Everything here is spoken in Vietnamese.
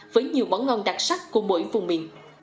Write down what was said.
với nhiều món ngon đặc sắc của mỗi vùng miền